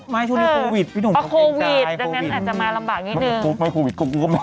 ไม่โควิดก็ไม่อะไรโควิด